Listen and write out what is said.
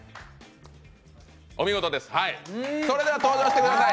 お見事です、はい。